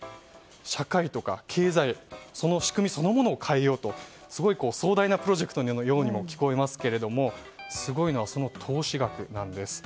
社会とか経済その仕組みそのものを変えようと、すごい壮大なプロジェクトのようにも聞こえますけれどもすごいのはその投資額なんです。